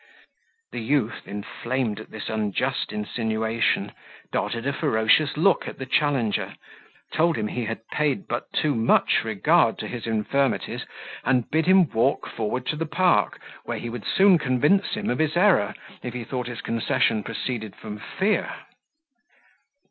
The youth, inflamed at this unjust insinuation, darted a ferocious look at the challenger, told him he had paid but too much regard to his infirmities, and bid him walk forward to the park, where he would soon convince him of his error, if he thought his concession proceeded from fear.